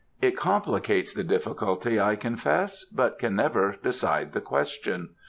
It complicates the difficulty I confess, but can never decide the question.